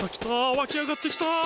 わきあがってきた！